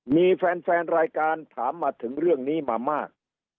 มีแฟนรายการถามมาถึงเรื่องนี้มามาก